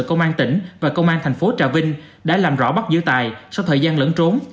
công an tỉnh và công an thành phố trà vinh đã làm rõ bắt giữ tài sau thời gian lẫn trốn